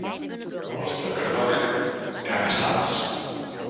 Els de Cardona, caga-sals.